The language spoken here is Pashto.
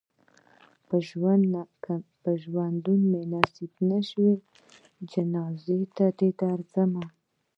په ژوند مې نصیب نه شوې جنازې ته دې درځم.